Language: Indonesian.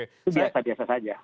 itu biasa biasa saja